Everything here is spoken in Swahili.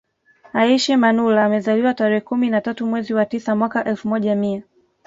Aishi Manula amezaliwa tarehe kumi na tatu mwezi wa tisa mwaka elfu moja mia